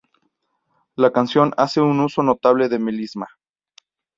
La canción hace un uso notable de melisma.